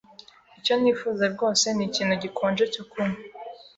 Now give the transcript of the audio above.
Icyo nifuza rwose ni ikintu gikonje cyo kunywa.